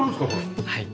はい。